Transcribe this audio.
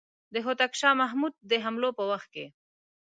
د هوتک شاه محمود د حملو په وخت کې.